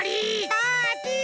パーティー！